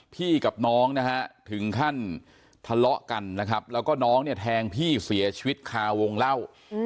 พี่กับน้องนะฮะถึงขั้นทะเลาะกันนะครับแล้วก็น้องเนี่ยแทงพี่เสียชีวิตคาวงเล่า